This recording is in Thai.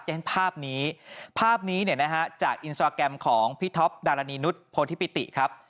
เห็นภาพนี้ภาพนี้เนี่ยนะฮะจากอินสตราแกรมของพี่ท็อปดารณีนุษย์โพธิปิติครับ